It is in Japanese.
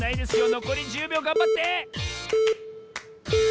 のこり１０びょうがんばって！